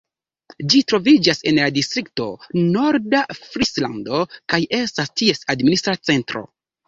Ĝi troviĝas en la distrikto Norda Frislando, kaj estas ties administra centro.